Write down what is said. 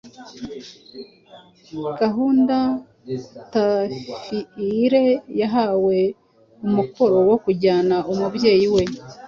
Kahinda Otafiire, yahawe umukoro wo kujyana umubyeyi we